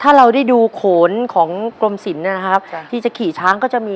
ถ้าเราได้ดูโขนของกรมศิลป์นะครับที่จะขี่ช้างก็จะมี